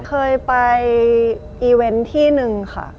เคยไปอีเวนต์ที่หนึ่งค่ะ